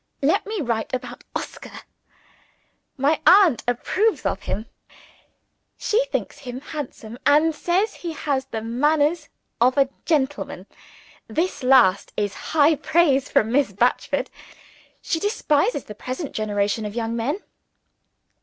Let me write about Oscar. My aunt approves of him. She thinks him handsome, and says he has the manners of a gentleman. This last is high praise from Miss Batchford. She despises the present generation of young men.